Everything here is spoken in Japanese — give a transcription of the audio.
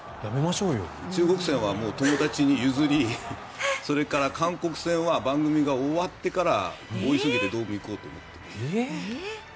中国戦は友達に譲りそれから韓国戦は番組が終わってから大急ぎでドームに行こうと思っています。